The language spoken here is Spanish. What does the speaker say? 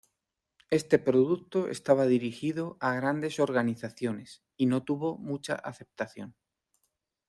Este producto estaba dirigido a grandes organizaciones y no tuvo mucha aceptación.